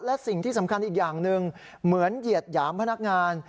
และสิ่งที่สำคัญอีกอย่างหนึ่งเหมือนเหยียดหยามพนักงาน